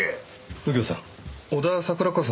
右京さん